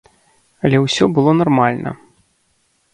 Але ўсе было нармальна.